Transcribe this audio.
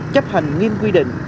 chấp hành nghiêm quy định